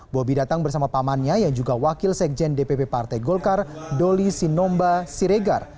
bobi datang bersama pamannya yang juga wakil sekjen dpp partai golkar doli sinomba siregar